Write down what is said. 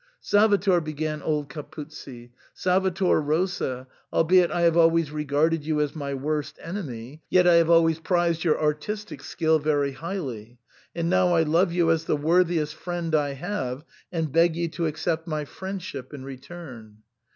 " Salvator," began old Capuzzi, " Salvator Rosa, al beit I have always regarded you as my worst enemy, yet I have always prt^d your artistic skill very highly, and jQow I love you a^the worthiest friend I have, and beg you to accept m)^^friendship in return."